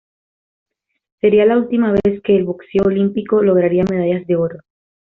Sería la última vez que el boxeo olímpico lograría medallas de oro.